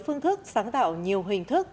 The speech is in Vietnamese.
phương thức sáng tạo nhiều hình thức